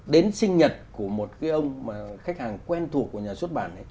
đến sinh nhật của một cái ông khách hàng quen thuộc của nhà xuất bản này